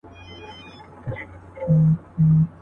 تر غوړ لمر لاندي يې تل كول مزلونه.